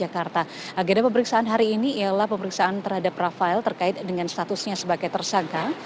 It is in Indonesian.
agenda pemeriksaan hari ini ialah pemeriksaan terhadap rafael terkait dengan statusnya sebagai tersangka